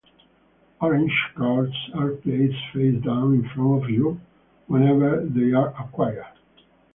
Orange cards are placed face down in front of you whenever they are acquired.